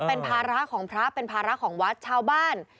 เป็นภาระของพระเป็นภาระของวัดชาวบ้าน